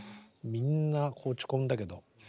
みんな落ち込んだけど。